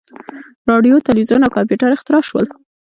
• راډیو، تلویزیون او کمپیوټر اختراع شول.